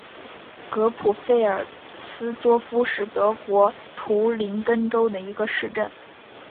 格普费尔斯多夫是德国图林根州的一个市镇。